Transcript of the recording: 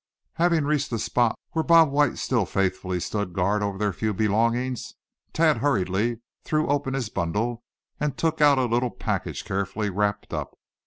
Having reached the spot where Bob White still faithfully stood guard over their few belongings, Thad hurriedly threw open his bundle, and took out a little package carefully wrapped up.